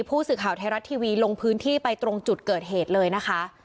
ผู้สื่อข่าวไทยรัฐทีวีลงพื้นที่ไปตรงจุดเกิดเหตุเลยนะคะ